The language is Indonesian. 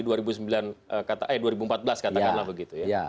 eh dua ribu empat belas katakanlah begitu ya